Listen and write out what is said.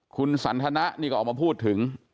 คุณสันทนะนี่ก็ออกมาพูดถึง